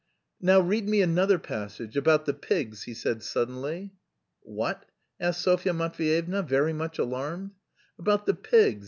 "Now read me another passage.... About the pigs," he said suddenly. "What?" asked Sofya Matveyevna, very much alarmed. "About the pigs...